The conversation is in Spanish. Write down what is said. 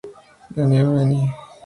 La Neuville-en-Beine